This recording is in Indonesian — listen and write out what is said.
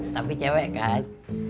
tapi cewek kan